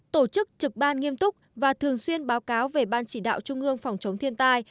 tổ chức trực ban nghiêm túc và thường xuyên báo cáo về ban chỉ đạo trung ương phòng chống thiên tai